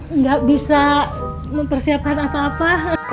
enggak bisa mempersiapkan apa apa